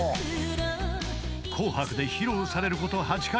［『紅白』で披露されること８回］